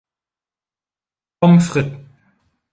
Pommes Frites